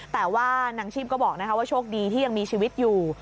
แต่ว่านางชีพก็บอกว่าโชคดีที่ยังมีชีวิตอยู่